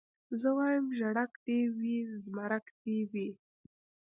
زه وايم ژړک دي وي زمرک دي وي